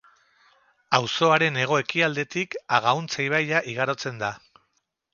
Auzoaren hego-ekialdetik Agauntza ibaia igarotzen da.